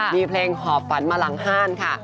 มีเพลงหอบฝันมาหลังห้านค่ะ